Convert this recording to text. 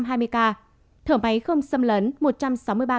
thở máy không xâm lấn một trăm sáu mươi ba